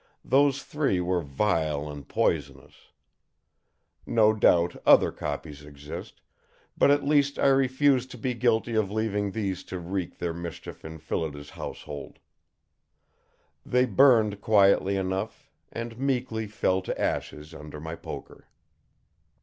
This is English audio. Those three were vile and poisonous. No doubt other copies exist, but at least I refused to be guilty of leaving these to wreak their mischief in Phillida's household. They burned quietly enough, and meekly fell to ashes under my poker.